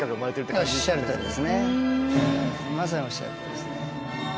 まさにおっしゃるとおりですね。